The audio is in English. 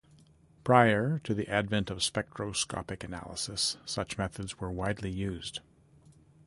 Prior to the advent of spectroscopic analysis, such methods were widely used.